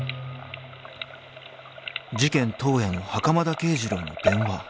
［事件当夜の袴田啓二郎の電話］